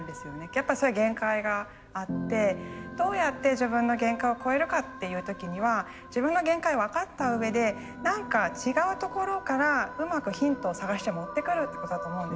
やっぱそれ限界があってどうやって自分の限界を超えるかっていう時には自分の限界を分かったうえで何か違うところからうまくヒントを探して持ってくるってことだと思うんです。